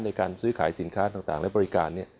ในการซื้อขายสินค้าต่างและบริการ